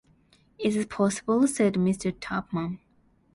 ‘Is it possible?’ said Mr. Tupman.